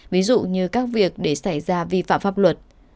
ví dụ như các việc để xảy ra vi phạm pháp luật